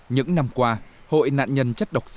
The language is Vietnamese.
những năm qua hội nạn nhân chất độc da cam